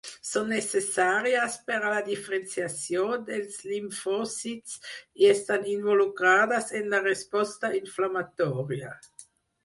Són necessàries per a la diferenciació dels limfòcits i estan involucrades en la resposta inflamatòria.